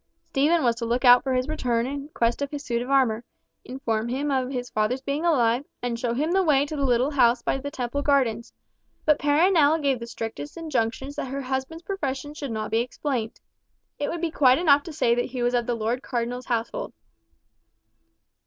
Stephen was to look out for his return in quest of his suit of armour, inform him of his father's being alive, and show him the way to the little house by the Temple Gardens; but Perronel gave the strictest injunctions that her husband's profession should not be explained. It would be quite enough to say that he was of the Lord Cardinal's household.